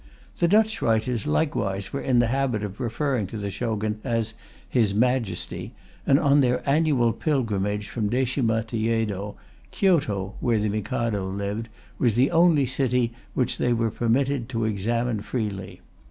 The Dutch writers likewise were in the habit of referring to the Shogun as "His Majesty," and on their annual pilgrimage from Dashima to Yedo, Kyoto (where the Mikado lived) was the only city which they were permitted to examine freely.